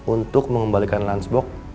untuk mengembalikan lunchbox